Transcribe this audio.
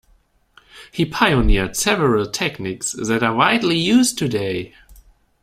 He pioneered several techniques that are widely used today.